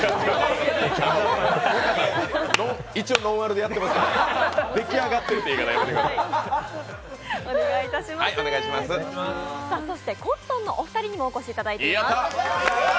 萌歌さん、一応、ノンアルでやってますから、出来上っているという言い方はコットンのお二人にもお越しいただいています。